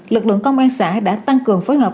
lực lượng công an xã đã tăng cường phối hợp